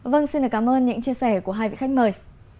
vâng xin cảm ơn những chia sẻ của hai vị khách mời